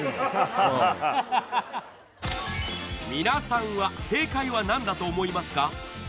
皆さんは正解は何だと思いますか？